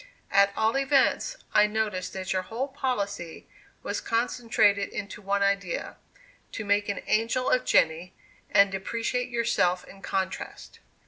At all events, I noticed that your whole policy was concentrated into one idea to make an angel of Jenny, and depreciate yourself in contrast.